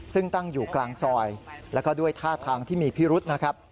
ซึ่งตั้งอยู่กลางซอยแล้วก็ด้วยท่าทางที่มีพิรุษนะครับ